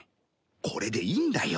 これでいいんだよ。